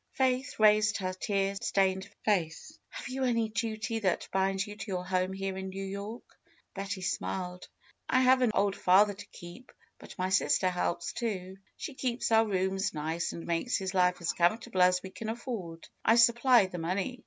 Faith raised her tear stained face. "Have you any duty that binds you to your home here in New York?" Betty smiled. "I have an old father to keep; but my sister helps, too. She keeps our rooms nice and makes his life as comfortable as we can afford. I sup ply the money."